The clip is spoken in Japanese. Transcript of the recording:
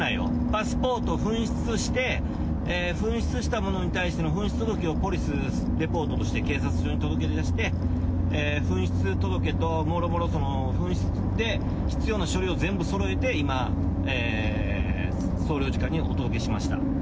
パスポート紛失して、紛失したものに対しての紛失届をするレポートとして警察署に届け出して、紛失届と諸々その紛失して必要な書類を全部そろえて、今、総領事館にお届けしました。